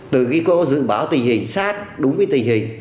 từ khi cô dự báo tình hình sát đúng với tình hình